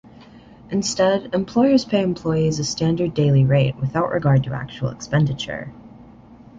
Instead, employers pay employees a standard daily rate without regard to actual expenditure.